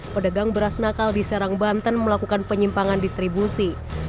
pedagang beras nakal di serang banten melakukan penyimpangan distribusi